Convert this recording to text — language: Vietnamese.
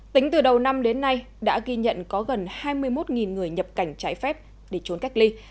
tính từ đầu năm đến nay đã ghi nhận có gần hai mươi một người nhập cảnh trái phép để trốn cách ly